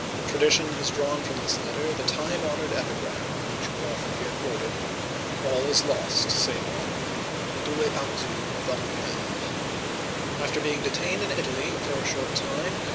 Tradition has drawn from this letter the time honored epi gram, which you will often hear quoted, " All is lost save honor !" {totit est perdu fors r honnewr). After being detained in Italy for a short time.